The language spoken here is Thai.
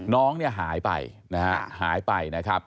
น้องเนี่ยหายไปนะฮะหายไปนะครับ